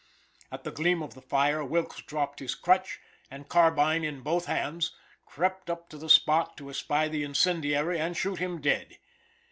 At the gleam of the fire Wilkes dropped his crutch, and, carbine in both hands, crept up to the spot to espy the incendiary and shoot him dead.